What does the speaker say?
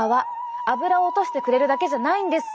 油を落としてくれるだけじゃないんです。